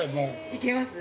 ◆いけます？